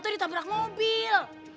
tidak itu ditabrak mobil